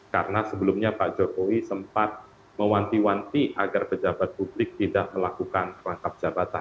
karena sebelumnya pak jokowi sempat mewanti wanti agar pejabat publik tidak melakukan rangkap jabatan